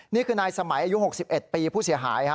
นี่คือนายสมัยอายุ๖๑ปีผู้เสียหาย